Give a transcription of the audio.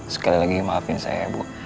sekali lagi maafin saya ibu